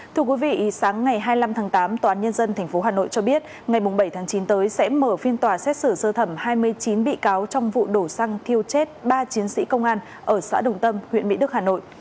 thưa quý vị sáng ngày hai mươi năm tháng tám tòa án nhân dân tp hà nội cho biết ngày bảy tháng chín tới sẽ mở phiên tòa xét xử sơ thẩm hai mươi chín bị cáo trong vụ đổ xăng thiêu chết ba chiến sĩ công an ở xã đồng tâm huyện mỹ đức hà nội